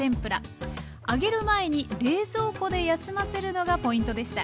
揚げる前に冷蔵庫で休ませるのがポイントでした。